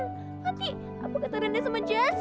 nanti aku ketarikan dia sama jess